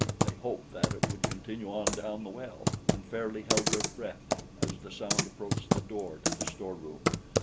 They hoped that it would continue on down the well and fairly held their breath as the sound approached the door to the storeroom.